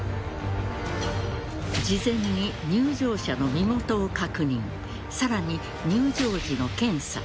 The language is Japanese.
事前に入場者の身元を確認さらに入場時の検査。